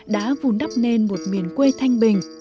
đã vùn đắp nên một miền quê thanh bình